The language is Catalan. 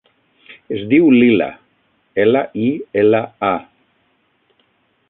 Es diu Lila: ela, i, ela, a.